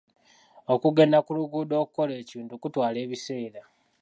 Okugenda ku lugendo okukola ekintu kutwala ebiseera.